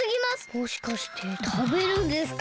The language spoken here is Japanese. もしかしてたべるんですか？